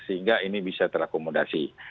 sehingga ini bisa terakomodasi